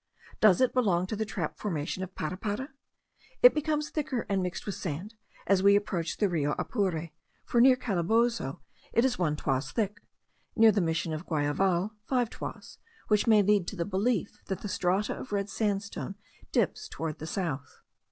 Does it belong to the trap formation of Parapara? It becomes thicker, and mixed with sand, as we approach the Rio Apure; for near Calabozo it is one toise thick, near the mission of Guayaval five toises, which may lead to the belief that the strata of red sandstone dips towards the south.